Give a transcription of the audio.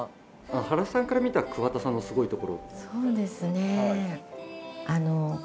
原さんから見た桑田さんのすごいところって？